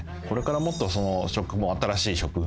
これからもっと食も新しい食。